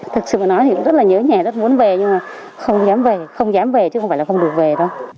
thực sự mà nói thì cũng rất là nhớ nhà rất muốn về nhưng mà không dám về không dám về chứ không phải là không được về đâu